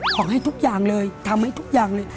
ขอให้ทุกอย่างเลยทำให้ทุกอย่างเลย